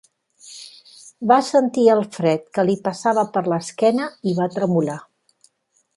Va sentir el fred que li passava per l'esquena i va tremolar.